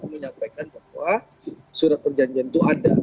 menyampaikan bahwa surat perjanjian itu ada